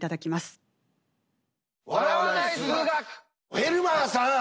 フェルマーさん